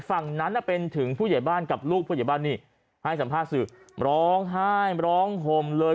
ฝั่งนั้นน่ะเป็นถึงผู้ใหญ่บ้านกับลูกผู้ใหญ่บ้านนี่ให้สัมภาษณ์สื่อร้องไห้ร้องห่มเลย